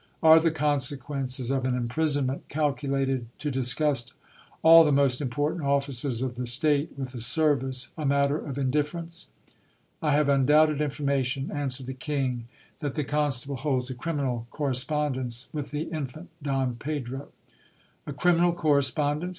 Are the con sequences of an imprisonment calculated to disgust all the most important officers of the state with the service, a matter of indifference ? I have undoubted information, answered the king, that the constable holds a criminal corre spondence with, the Infant Don Pedro. A criminal correspondence